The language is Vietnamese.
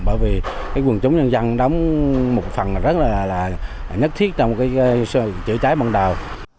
bởi vì quần chúng nhân dân đóng một phần rất là nhất thiết trong chữa cháy bằng đào